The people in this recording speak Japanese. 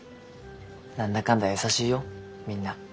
何だかんだ優しいよみんな。